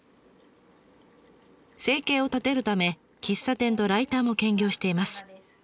生計を立てるため喫茶店とライターも兼業しています。